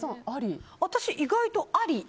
私、意外とあり。